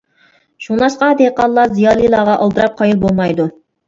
شۇڭلاشقا دېھقانلار زىيالىيلارغا ئالدىراپ قايىل بولمايدۇ.